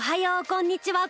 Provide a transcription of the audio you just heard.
こんにちは。